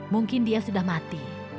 mungkin dia sudah mati